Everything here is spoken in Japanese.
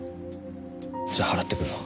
じゃあ払ってくるわ。